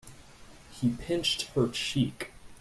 He pinched her cheek.